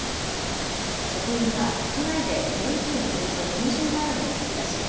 職員は都内で現金およそ９０万円を引き出し